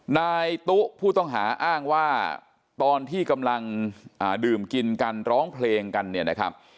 นายตุ๊ผู้ต้องหาอ้างว่าตอนที่กำลังดื่มกินกันร้องเพลงกันเนี่ยนะครับ